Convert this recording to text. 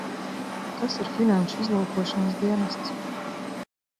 Kas ir finanšu izlūkošanas dienests?